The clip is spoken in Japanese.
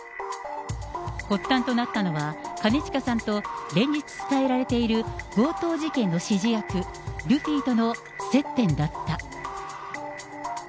発端となったのは、兼近さんと連日伝えられている強盗事件の指示役、ルフィとの接点だった。